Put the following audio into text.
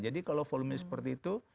jadi kalau volume nya seperti itu